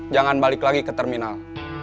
jangan balik lagi ke terminal